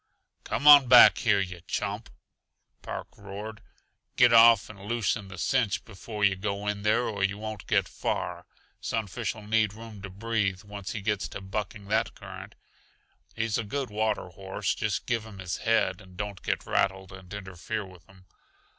"Come on back here, yuh chump!" Park roared. "Get off and loosen the cinch before yuh go in there, or yuh won't get far. Sunfish'll need room to breathe, once he gets to bucking that current. He's a good water horse, just give him his head and don't get rattled and interfere with him.